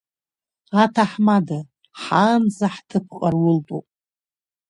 Аҭаҳмада, ҳаанӡа ҳҭыԥ ҟарултәуп.